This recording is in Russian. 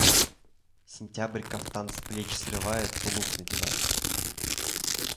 Сентябрь кафтан с плеч срывает, тулуп надевает.